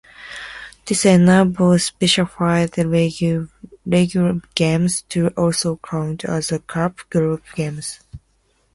This enables specified league games to also count as cup group games.